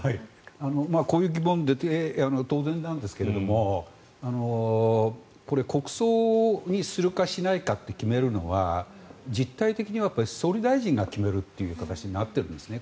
こういう疑問出て当然なんですけれども国葬にするかしないかって決めるのは実体的には総理大臣が決めるという形になっているんですね。